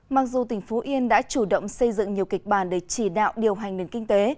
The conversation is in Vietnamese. mặc dù tỉnh phú yên đã chủ động xây dựng nhiều kịch bản để chỉ đạo điều hành nền kinh tế